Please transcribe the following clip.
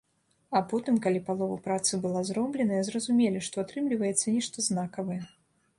А потым, калі палова працы была зробленая, зразумелі, што атрымліваецца нешта знакавае.